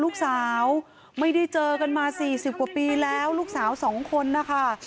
ลูกสาวไม่ได้เจอกันมา๔๐กว่าปีแล้วลูกสาวสองคนนะคะ